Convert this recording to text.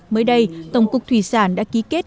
mới đây tổng cục thủy sản đã ký kết